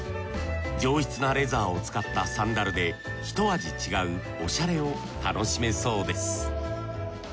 上質なレザーを使ったサンダルでひと味違うおしゃれを楽しめそうです